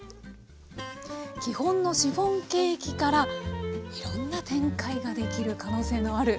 基本のシフォンケーキからいろんな展開ができる可能性のある。